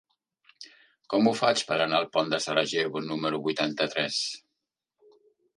Com ho faig per anar al pont de Sarajevo número vuitanta-tres?